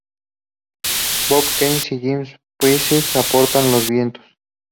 Bobby Keys y Jim Price aportan los vientos.